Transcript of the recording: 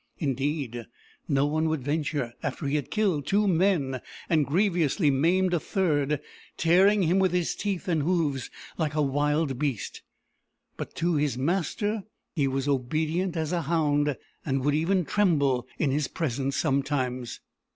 Indeed, no one would venture, after he had killed two men, and grievously maimed a third, tearing him with his teeth and hoofs like a wild beast. But to his master he was obedient as a hound, and would even tremble in his presence sometimes.